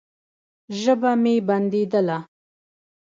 ژبه مې بنديدله.